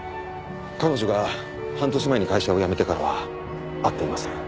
彼女が半年前に会社を辞めてからは会っていません。